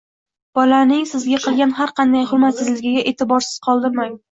bolaning sizga qilgan har qanday hurmatsizligini e'tiborsiz qoldirmang.